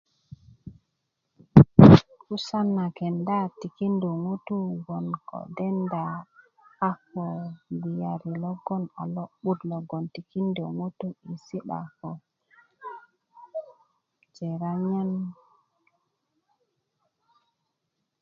'busan na kenda tikinda ŋutuu gbon ko denda a ko gbiyari logon a lo'but logon tikinda ŋutu i si'da a lo'but